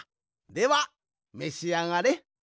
ではめしあがれ。